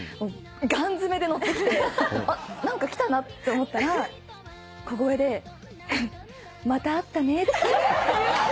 ガン詰めで乗ってきてあっ何か来たなって思ったら小声で「また会ったね」って言って。